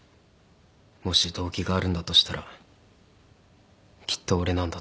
もし動機があるんだとしたらきっと俺なんだと思う。